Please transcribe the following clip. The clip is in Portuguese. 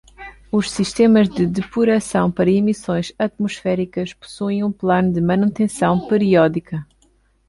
Os sistemas de depuração para emissões atmosféricas possuem um plano de manutenção periódica.